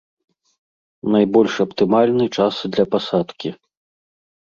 Найбольш аптымальны час для пасадкі.